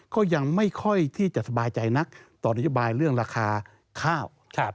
ก็ยังไม่ค่อยที่จะสบายใจนักต่อนโยบายเรื่องราคาข้าว